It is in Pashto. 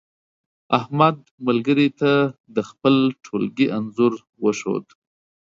احمد ملګري ته د خپل ټولگي انځور وښود.